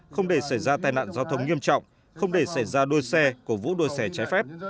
không để xảy ra tai nạn giao thông nghiêm trọng không để xảy ra đua xe cổ vũ đua xe trái phép